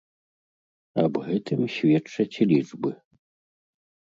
Аб гэтым сведчаць і лічбы.